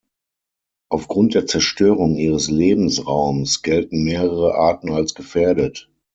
Aufgrund der Zerstörung ihres Lebensraums gelten mehrere Arten als gefährdet.